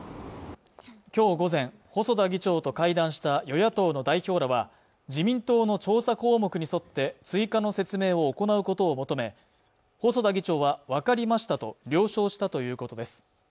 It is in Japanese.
今日午前細田議長と会談した与野党の代表らは自民党の調査項目に沿って追加の説明を行うことを求め細田議長は分かりましたと了承したということです